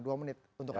dua menit untuk anda